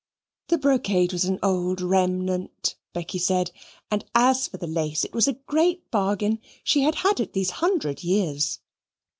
The brocade was an old remnant, Becky said; and as for the lace, it was a great bargain. She had had it these hundred years.